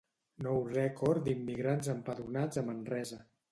Nou rècord d'immigrants empadronats a Manresa